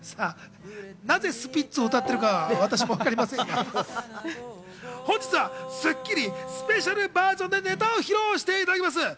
なぜスピッツを歌っているか、私もわかりませんが、本日は『スッキリ』スペシャルバージョンでネタを披露していただきます。